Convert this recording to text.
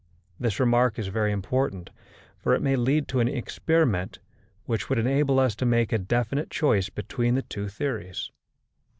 This remark is very important, for it may lead to an experiment which would enable us to make a definite choice between the two theories.